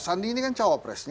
sandi ini kan cawapresnya